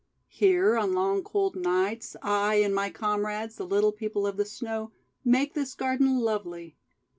"Here on long cold nights I and my comrades, the Little People of the Snow, make this garden lovely.